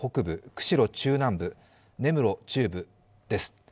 釧路中南部、根室中部です。